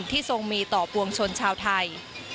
ทรงมีต่อปวงชนชาวไทย